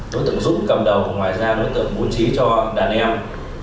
đối tượng dũng cầm đầu ngoài ra đối tượng bố trí cho đàn em